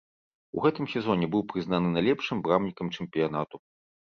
У гэтым сезоне быў прызнаны найлепшым брамнікам чэмпіянату.